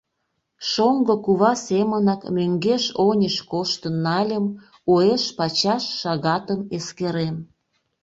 Шоҥго кува семынак мӧҥгеш-оньыш коштын нальым, уэш-пачаш шагатым эскерем.